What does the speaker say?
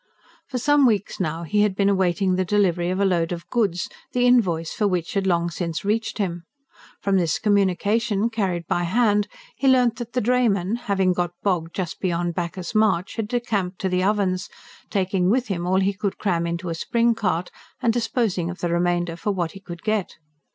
For some weeks now he had been awaiting the delivery of a load of goods, the invoice for which had long since reached him. From this communication, carried by hand, he learnt that the drayman, having got bogged just beyond Bacchus's marsh, had decamped to the Ovens, taking with him all he could cram into a spring cart, and disposing of the remainder for what he could get.